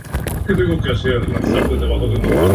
Tras la guerra fue remodelado, y operó brevemente en Indochina.